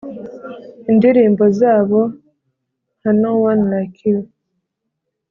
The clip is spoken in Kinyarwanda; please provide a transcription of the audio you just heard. Indirimbo zabo nka No one like you